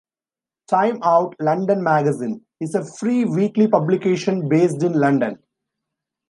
"Time Out London Magazine" is a free weekly publication based in London.